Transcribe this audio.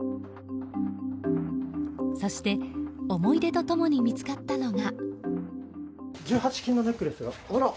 そして、思い出と共に見つかったのが。